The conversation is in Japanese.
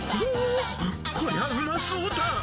こりゃあうまそうだ。